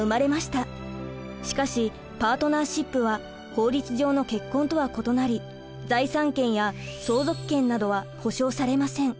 しかしパートナーシップは法律上の結婚とは異なり財産権や相続権などは保障されません。